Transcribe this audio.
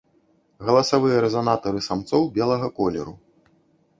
Галасавыя рэзанатары самцоў белага колеру.